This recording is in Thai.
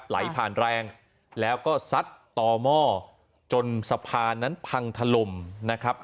ไหลผ่านแรงแล้วก็ซัดต่อหม้อจนสะพานนั้นพังถล่มนะครับ